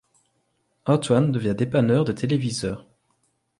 Antoine devient dépanneur de téléviseurs.